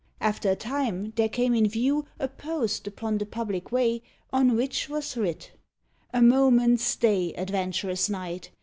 After a time there came in view A post upon the public way, On which was writ "A moment stay, Adventurous knight.